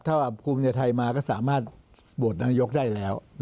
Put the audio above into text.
ถ้าภูมิใจไทยมาก็สามารถโหวตนายกได้แล้ว